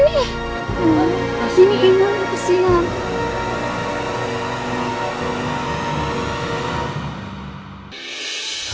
ibu obatnya gak ketemu ya